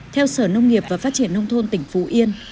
theo sở nông nghiệp và phát triển nông thôn tỉnh phú yên